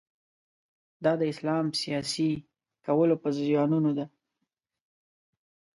دا د اسلام سیاسي کولو پر زیانونو ده.